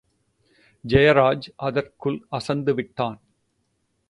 ஜெயராஜ் அதற்குள் அசந்துவிட்டான்.